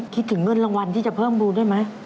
คิดถึงเงินรางวัลที่จะเพิ่มบูลด้วยไหม